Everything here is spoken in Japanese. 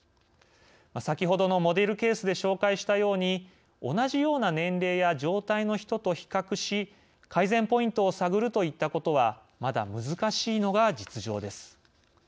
先ほどのモデルケースで紹介したように同じような年齢や状態の人と比較し改善ポイントを探るということはまだ難しいのが実情です。